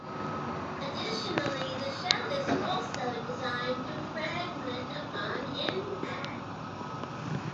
Additionally, the shell is also designed to fragment upon impact.